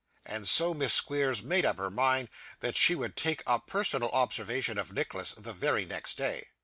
And so Miss Squeers made up her mind that she would take a personal observation of Nicholas the very next day.